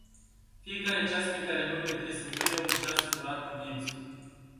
Fiecare ceas pe care nu-l petreci singur e un ceasfurat vieții.